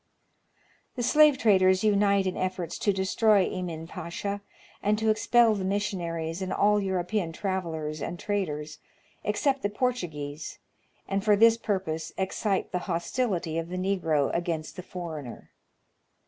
The slave traders unite in efforts to destroy Emin Pacha, and to expel the missionaries and all European travelers and traders, except the Portuguese, and for this purpose excite the hostility VOL. I. 10 116 National Geographic Magazine. of the Negro against the foreigner.